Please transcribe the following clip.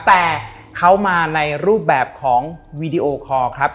แต่เขามาในรูปแบบของวีดีโอคอร์ครับ